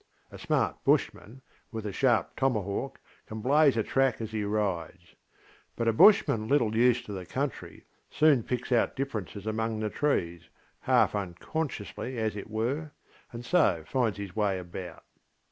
A smart Bushman, with a sharp tomahawk, can blaze a track as he rides. But a Bushman a little used to the country soon picks out differences amongst the trees, half unconsciously as it were, and so finds his way about.